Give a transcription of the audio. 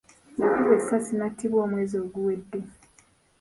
Yakubwa essasi n'attibwa omwezi oguwedde.